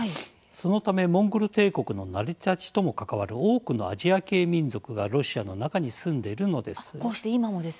そのためモンゴル帝国の成り立ちとも関わる多くのアジア系民族がロシアの中に住んでいるのです。